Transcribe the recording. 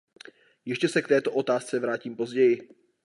Ještě se k této otázce vrátím později.